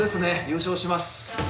優勝します。